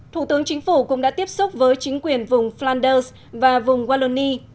thủ tướng chính phủ cũng đã tiếp xúc với chính quyền vùng flanders và vùng walloni